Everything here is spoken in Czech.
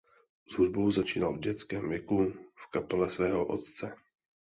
S hudbou začínal v dětském věku v kapele svého otce.